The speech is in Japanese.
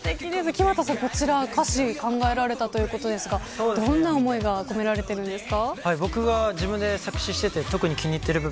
木全さん歌詞考えられたということですがどんな思いが込められているんですか。